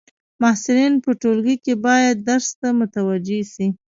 محصلین په ټولګی کي باید درس ته متوجي سي.